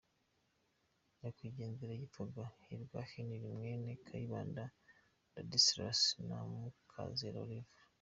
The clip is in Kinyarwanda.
Nyakwigendera yitwaga Hirwa Henry ,mwene Kayibanda Ladislas na Mukazera Olive.